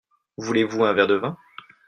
Voulez-vous un verre de vin ?